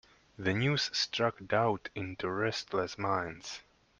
The news struck doubt into restless minds.